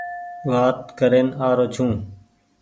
وآت ڪرين آ رو ڇون ۔